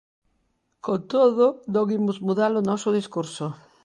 Con todo, non imos mudar o noso discurso.